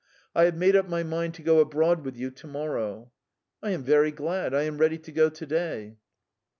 "I have made up my mind to go abroad with you tomorrow." "I am very glad. I am ready to go today."